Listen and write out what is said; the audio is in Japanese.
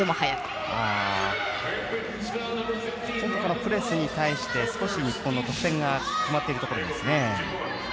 プレスに対して少し日本の得点が止まっているところですね。